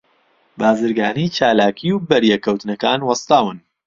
بازرگانی، چالاکی، و بەریەک کەوتنەکان وەستاون